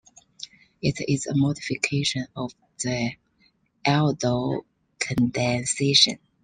It is a modification of the aldol condensation.